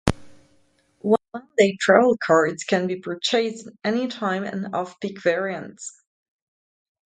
One day Travelcards can be purchased in "Anytime" and "Off-Peak" variants.